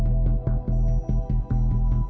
เวลาที่สุดท้าย